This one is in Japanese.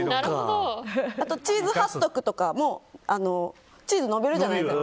あと、チーズハットグとかもチーズ伸びるじゃないですか。